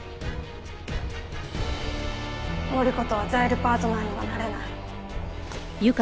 範子とはザイルパートナーにはなれない。